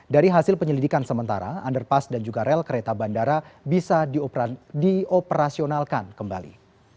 dari hasil penyelidikan sementara underpass dan juga rel kereta bandara bisa dioperasionalkan kembali